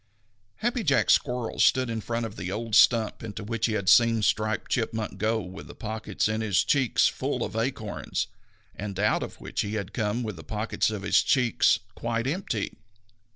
_ Happy Jack Squirrel stood in front of the old stump into which he had seen Striped Chipmunk go with the pockets in his cheeks full of acorns, and out of which he had come with the pockets of his cheeks quite empty.